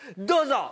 どうぞ！